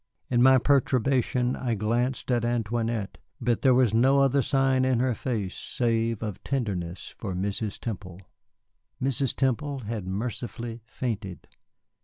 In my perturbation I glanced at Antoinette, but there was no other sign in her face save of tenderness for Mrs. Temple. Mrs. Temple had mercifully fainted.